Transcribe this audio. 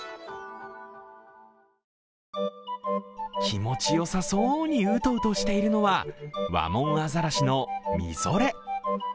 気持よさそうにうとうとしているのは、ワモンアザラシのミゾレ。